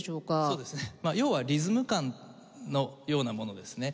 要はリズム感のようなものですね。